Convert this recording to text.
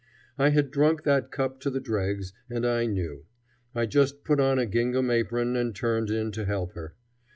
I had drunk that cup to the dregs, and I knew. I just put on a gingham apron and turned in to help her.